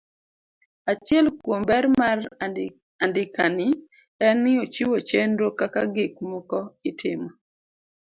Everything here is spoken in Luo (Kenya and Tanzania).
Achiel kuom ber mar andikani en ni ochiwo chenro kaka gik moko itimo.